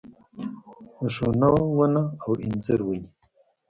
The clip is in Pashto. د ښونه ونه او انځر ونې